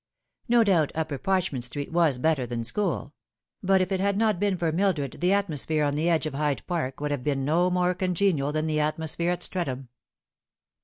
No doubt Upper Parchment Street was better than school ; but if it had not been for Mildred the atmosphere on the edge of Hyde Park would have been no more congenial than the atmosphere at Streatham.